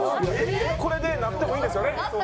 これでなってもいいんですよね？